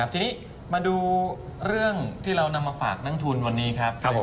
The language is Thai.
ทีนี้มาดูเรื่องที่เรานำมาฝากนักทุนวันนี้ครับผม